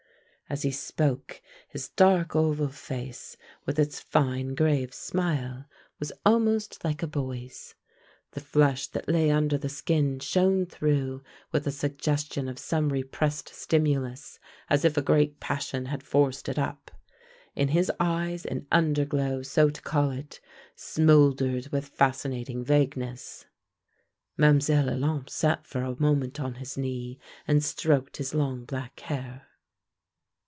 As he spoke his dark oval face, with its fine, grave smile, was almost like a boy's. The flush that lay under the skin shone through with a suggestion of some repressed stimulus, as if a great passion had forced it up. In his eyes an underglow, so to call it, smoldered with fascinating vagueness. Mlle. Olympe sat for a moment on his knee and stroked his long black hair.